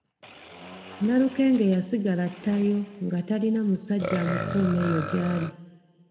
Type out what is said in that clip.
Nalukenge yasigala ttayo nga tayina musajja amukuuma eyo gyali.